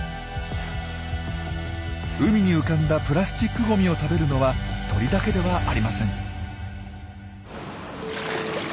海に浮かんだプラスチックゴミを食べるのは鳥だけではありません。